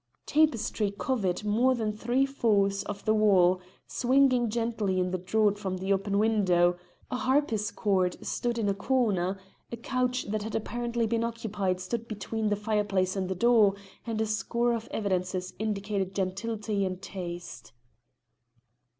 Tapestry covered more than three fourths of the wall, swinging gently in the draught from the open window, a harpischord stood in a corner, a couch that had apparently been occupied stood between the fireplace and the door, and a score of evidences indicated gentility and taste.